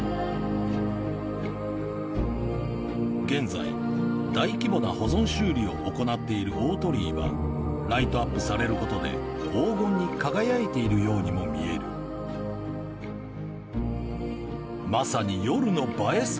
現在大規模な保存修理を行っている大鳥居はライトアップされることで黄金に輝いているようにも見えるまさに夜の映え